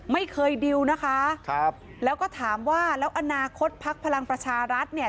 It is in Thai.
ไม่เคยดิวนะคะครับแล้วก็ถามว่าแล้วอนาคตพักพลังประชารัฐเนี่ย